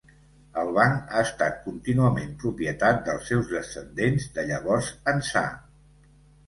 El banc ha estat contínuament propietat dels seus descendents de llavors ençà.